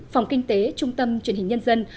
phòng kinh tế trung tâm truyền hình nhân dân